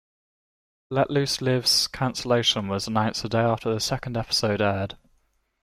"Let Loose Live"'s cancellation was announced the day after the second episode aired.